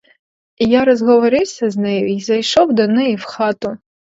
Я розговорився з нею й зайшов до неї в хату.